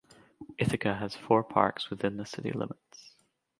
Ithaca has four parks within the city limits.